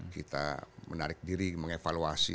kita menarik diri mengevaluasi